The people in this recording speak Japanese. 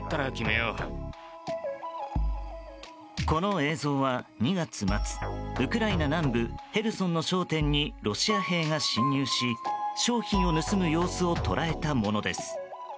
この映像は２月末ウクライナ南部ヘルソンの商店にロシア兵が侵入し商品を盗む様子を捉えたものです。